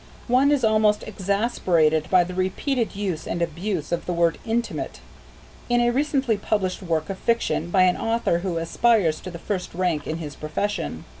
One is almost exasperated by the repeated use and abuse of the word "intimate" in a recently published work of fiction, by an author who aspires to the first rank in his profession.